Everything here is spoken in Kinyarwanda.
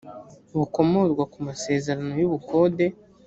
bukomorwa ku masezerano y’ubukode